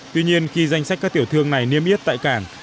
tuy nhiên khi danh sách các tiểu thương này niêm yết tại cảng